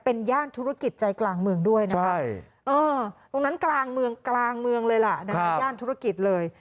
เป็นย่านธุรกิจใจกลางเมืองด้วยตรงนั้นกลางเมืองเลยล่ะย่านธุรกิจเลย